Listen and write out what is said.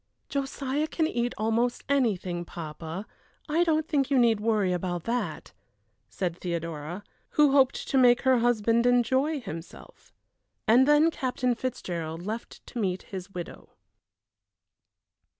"Josiah can eat almost anything, papa. I don't think you need worry about that," said Theodora, who hoped to make her husband enjoy himself. And then Captain Fitzgerald left to meet his widow.